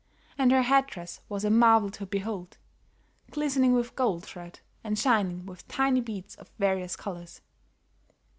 And her head dress was a marvel to behold, glistening with gold thread and shining with tiny beads of various colors.